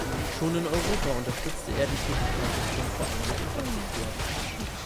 Schon in Europa unterstützte er die Tätigkeiten des "Bund" vor allem mit Infrastruktur.